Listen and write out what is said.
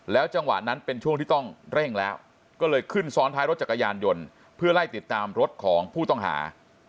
จังหวะนั้นเป็นช่วงที่ต้องเร่งแล้วก็เลยขึ้นซ้อนท้ายรถจักรยานยนต์เพื่อไล่ติดตามรถของผู้ต้องหา